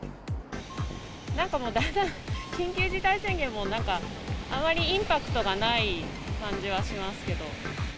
なんかもう、だんだん緊急事態宣言も、なんか、あまりインパクトがない感じはしますけど。